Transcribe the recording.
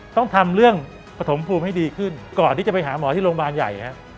ต้องทำเรื่องปฐมภูมิให้ดีขึ้นก่อนที่จะไปหาหมอที่โรงพยาบาลใหญ่